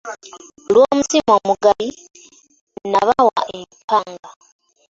Olw'omutima omugabi na bawa empanga.